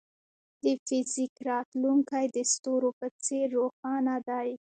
د فزیک راتلونکی د ستورو په څېر روښانه دی.